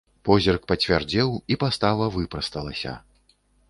Позірк пацвярдзеў, і пастава выпрасталася.